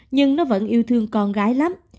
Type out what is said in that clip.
nhưng nó vẫn yêu thương con gái lắm